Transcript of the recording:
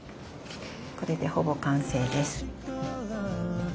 これでほぼ完成です。